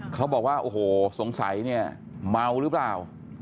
เขาบอกว่าโอ้โหสงสัยเนี่ยเมาหรือเปล่า